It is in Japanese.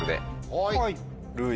はい！